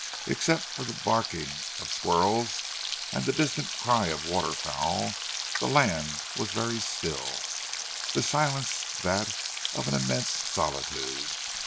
Except for the barking of squirrels, and the distant cry of waterfowl the land was very still, the silence that of an immense solitude.